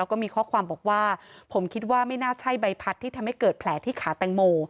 ก็มีข้อความบอกว่าผมคิดว่าไม่น่าใช่ใบพัดที่ทำให้เกิดแผลที่ขาแตงโม